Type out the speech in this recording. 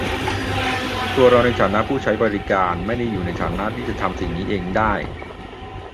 ตัวเราในฐานะผู้ใช้บริการไม่ได้อยู่ในฐานะจะทำสิ่งนี้เองได้